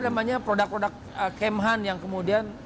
namanya produk produk kemhan yang kemudian